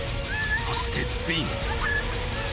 ［そしてついに］